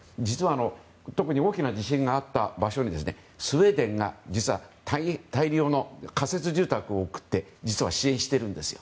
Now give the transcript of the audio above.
特に大きな地震があった場所にスウェーデンが実は、大量の仮設住宅を送って支援しているんですよ。